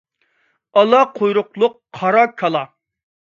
ئالا قۇيرۇقلۇق قارا كالا.